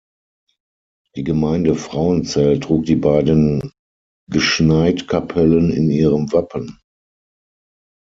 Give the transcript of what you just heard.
Die Gemeinde Frauenzell trug die beiden Gschnaidt-Kapellen in ihrem Wappen.